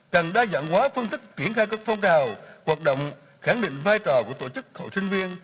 cần đa dạng hóa phân tích chuyển khai các phong trào hoạt động khẳng định vai trò của tổ chức hội sinh viên